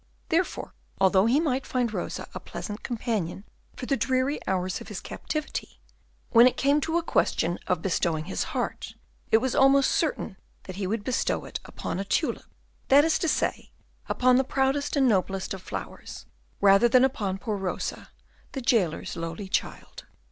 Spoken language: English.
Therefore, although he might find Rosa a pleasant companion for the dreary hours of his captivity, when it came to a question of bestowing his heart it was almost certain that he would bestow it upon a tulip, that is to say, upon the proudest and noblest of flowers, rather than upon poor Rosa, the jailer's lowly child.